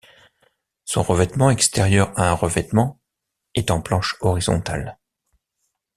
Son revêtement extérieur a un revêtement est en planche horizontale.